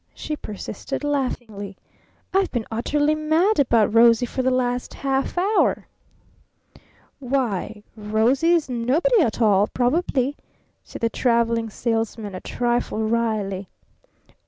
she persisted laughingly. "I've been utterly mad about 'Rosie' for the last half hour!" "Why, 'Rosie' is nobody at all probably," said the Traveling Salesman a trifle wryly.